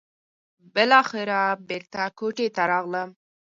بالاخره بېرته کوټې ته راغلم.